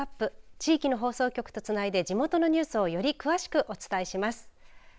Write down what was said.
地域の放送局とつないで地元のニュースをより詳しくお伝えします。